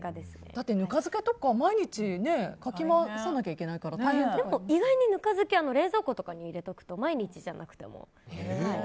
だって、ぬか漬けとか毎日かき回さなきゃいけないから意外に、ぬか漬けって冷蔵庫とかに入れておくと毎日じゃなくても。